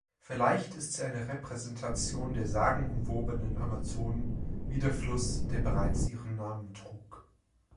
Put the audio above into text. Vielleicht ist sie eine Repräsentation der sagenumwobenen Amazonen, wie der Fluss, der bereits ihren Namen trug.